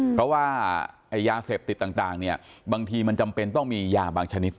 เพราะว่าไอ้ยาเสพติดต่างเนี่ยบางทีมันจำเป็นต้องมียาบางชนิด